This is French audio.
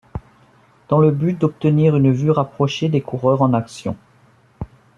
Dans le but d'obtenir une vue rapprochée des coureurs en action.